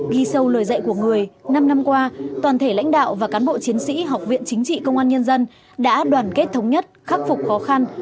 ghi sâu lời dạy của người năm năm qua toàn thể lãnh đạo và cán bộ chiến sĩ học viện chính trị công an nhân dân đã đoàn kết thống nhất khắc phục khó khăn